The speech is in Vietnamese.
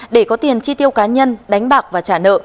để có tiền chi tiêu cá nhân đánh bạc và trả nợ